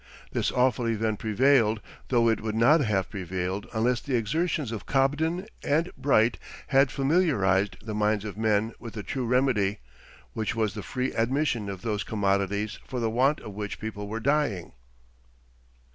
This awful event prevailed, though it would not have prevailed unless the exertions of Cobden and Bright had familiarized the minds of men with the true remedy, which was the free admission of those commodities for the want of which people were dying.